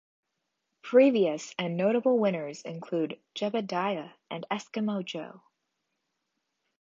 Previous notable winners include Jebediah and Eskimo Joe.